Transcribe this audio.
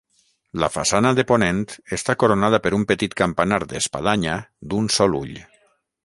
La façana de ponent està coronada per un petit campanar d'espadanya d'un sol ull.